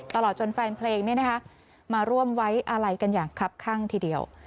ตลอดจนแฟนเพลงมาร่วมไว้อาลัยกันอย่างคับข้างทีเดียว